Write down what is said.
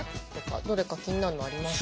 どれか気になるのありますか？